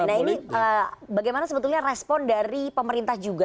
nah ini bagaimana sebetulnya respon dari pemerintah juga